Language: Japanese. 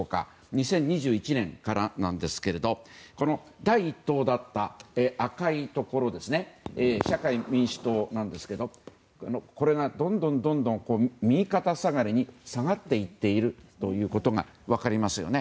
２０２１年からですが第１党だった、赤いところの社会民主党ですがこれがどんどん右肩下がりに下がっていっていることが分かりますよね。